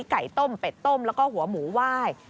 ไก่ต้มเป็ดต้มแล้วก็หัวหมูไหว้